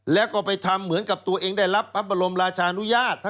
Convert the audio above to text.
แล้วก็ไปทำเหมือนกับตัวเองได้รับพระบรมราชานุญาต